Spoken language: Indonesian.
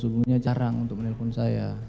sungguhnya jarang untuk menelpon saya